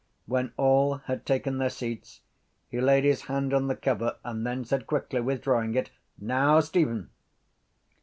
When all had taken their seats he laid his hand on the cover and then said quickly, withdrawing it: —Now, Stephen.